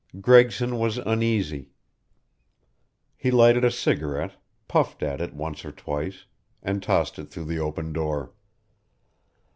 Gregson was uneasy. He lighted a cigarette, puffed at it once or twice, and tossed it through the open door.